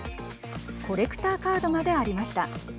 コレクターカードまでありました。